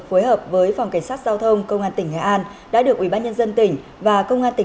phối hợp với phòng cảnh sát giao thông công an tỉnh nghệ an đã được ubnd tỉnh và công an tỉnh